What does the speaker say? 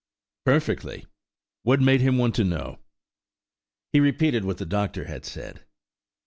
Perfectly; what made him want to know. He repeated what the doctor had said.